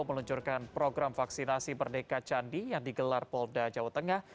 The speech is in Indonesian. meluncurkan program vaksinasi merdeka candi yang digelar polda jawa tengah